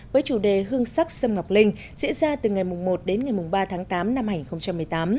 với chủ đề hương sắc sâm ngọc linh diễn ra từ ngày một đến ngày ba tháng tám năm hai nghìn một mươi tám